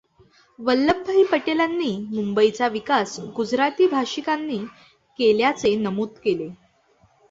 वल्लभभाई पटेलांनी मुंबईचा विकास गुजराती भाषकांनी केल्याचे नमूद केले.